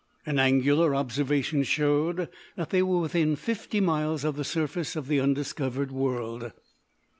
An angular observation showed that they were within fifty miles of the surface of the undiscovered world.